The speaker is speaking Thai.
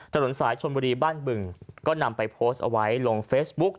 ถนนสายชนบุรีบ้านบึงก็นำไปโพสต์เอาไว้ลงเฟซบุ๊ก